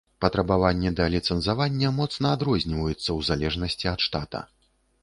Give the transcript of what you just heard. Патрабаванні да ліцэнзавання моцна адрозніваюцца ў залежнасці ад штата.